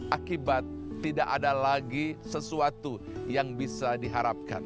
akibat tidak ada lagi sesuatu yang bisa diharapkan